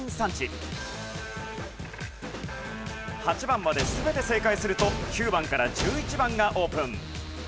８番まで全て正解すると９番から１１番がオープン。